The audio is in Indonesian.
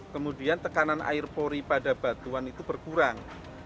kemudian tekanan air pori pada batuan itu berkurang